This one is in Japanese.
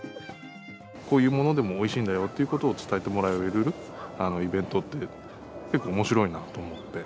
こういうものでもおいしいんだよということを伝えてもらえるイベントって、結構おもしろいなと思って。